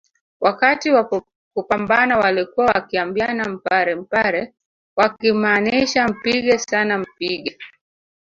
Wakati wa kupambana walikuwa wakiambiana mpare mpare wakimaanisha mpige sana mpige